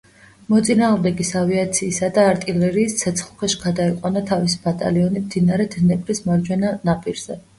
მოწინააღმდეგის ავიაციისა და არტილერიის ცეცხლქვეშ გადაიყვანა თავისი ბატალიონი მდინარე დნეპრის მარჯვენა ნაპირზე.